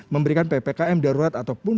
memberikan ppkm darurat ataupun